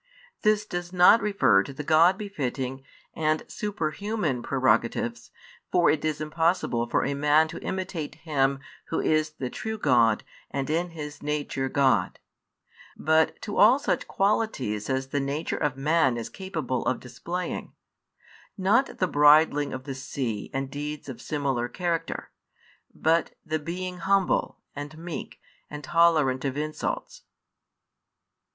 This does not refer to the God befitting and superhuman prerogatives, for it is impossible for a man to imitate Him Who is the True God and in His Nature God; but to all such qualities as the nature of man is capable of displaying: not the bridling of the sea and deeds of similar character, but the being humble and meek and tolerant of insults.